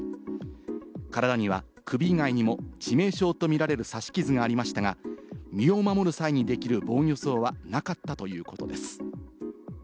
体には首以外にも致命傷とみられる刺し傷がありましたが、身を守る際にできる防御創はなかったということです。